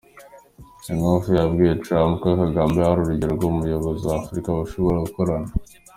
Inhofe yabwiye Trump ko Kagame ari urugero rw’umuyobozi wa Afurika bashobora gukorana.